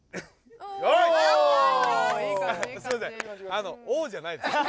あのおっじゃないです。